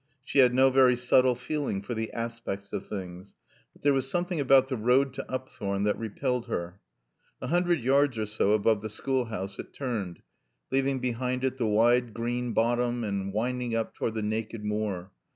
She had no very subtle feeling for the aspects of things; but there was something about the road to Upthorne that repelled her. A hundred yards or so above the schoolhouse it turned, leaving behind it the wide green bottom and winding up toward the naked moor.